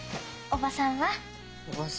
おばさん？